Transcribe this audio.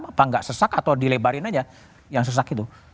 apa nggak sesak atau dilebarin aja yang sesak itu